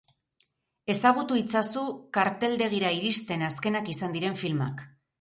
Ezagutu itzazu karteldegira iristen azkenak izan diren filmak.